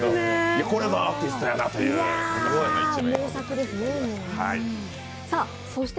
これもアーティストやなという一面でした。